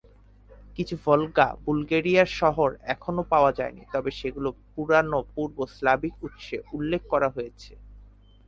কিছু ভলগা বুলগেরিয়ার শহর এখনও পাওয়া যায়নি, তবে সেগুলি পুরানো পূর্ব স্লাভিক উৎসে উল্লেখ করা হয়েছে।